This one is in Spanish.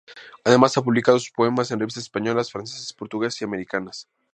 Además, ha publicado sus poemas en revistas españolas, francesas, portuguesas y americanas.